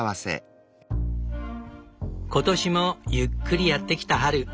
今年もゆっくりやって来た春。